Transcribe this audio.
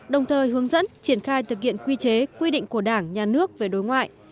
đồng thời hướng dẫn triển khai thực hiện quy chế quy định của đảng nhà nước về đối ngoại